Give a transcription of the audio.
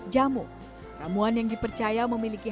jamu ramuan yang dipercaya memiliki